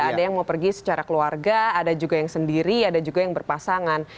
ada yang mau pergi secara keluarga ada juga yang sendiri ada juga yang berpasangan